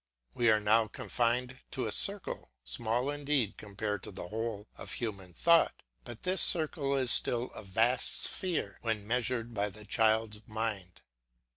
We are now confined to a circle, small indeed compared with the whole of human thought, but this circle is still a vast sphere when measured by the child's mind.